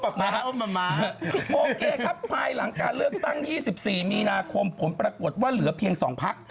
โอเคครับภายหลังการเลือกตั้ง๒๔มีนาคมผลปรากฏว่าเหลือเพียง๒พัก